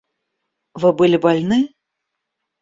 Вы были больны?